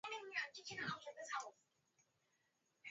kwani hewa huwasaidia bakteria kuunda utando au ukingo unaowalinda